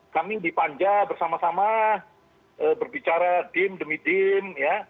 kami dipanja bersama sama berbicara demi demi